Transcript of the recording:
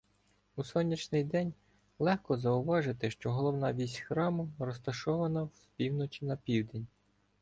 У сонячний день легко зауважити, що головна вісь храму розташована з півночі на південь.